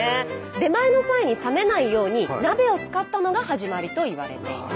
出前の際に冷めないように鍋を使ったのが始まりといわれています。